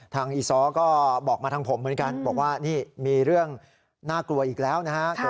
อีซ้อก็บอกมาทางผมเหมือนกันบอกว่านี่มีเรื่องน่ากลัวอีกแล้วนะฮะ